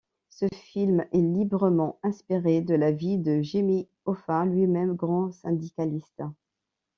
Ce film est librement inspiré de la vie de Jimmy Hoffa, lui-même grand syndicaliste.